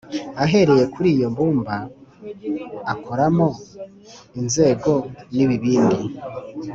ahereye kuri iryo bumba, akoramo inzeso n’ibibindi